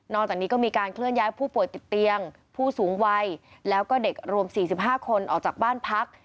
จากนี้ก็มีการเคลื่อนย้ายผู้ป่วยติดเตียงผู้สูงวัยแล้วก็เด็กรวม๔๕คนออกจากบ้านพัก